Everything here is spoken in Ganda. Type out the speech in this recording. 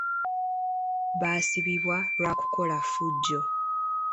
Baasibibwa lwa kukola ffujjo.